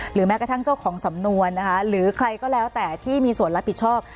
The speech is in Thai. แม้กระทั่งเจ้าของสำนวนนะคะหรือใครก็แล้วแต่ที่มีส่วนรับผิดชอบ